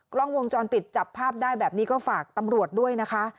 กล้องวงจรปิดจับภาพได้แบบนี้ก็ฝากตำรวจด้วยนะคะ